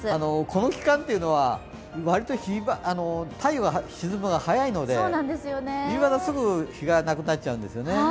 この期間というのは割と太陽が沈むのが早いので夕方、すぐ日がなくなっちゃうんですよね。